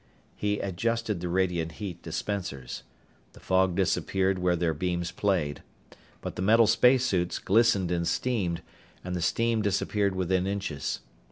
He adjusted the radiant heat dispensers. The fog disappeared where their beams played. But the metal spacesuits glistened and steamed, and the steam disappeared within inches.